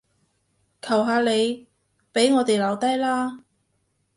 求下你，畀我哋留低啦